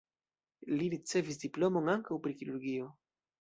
Li ricevis diplomon ankaŭ pri kirurgio.